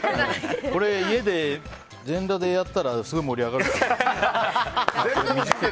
家で、全裸でやったらすごい盛り上がる。